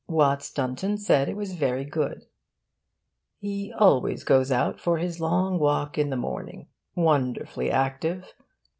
Watts Dunton said it was very good: 'He always goes out for his long walk in the morning wonderfully active.